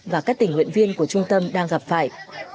và các tình nguyện viên của trung tâm đang gặp phải